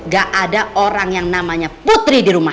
gak ada orang yang namanya putri di rumah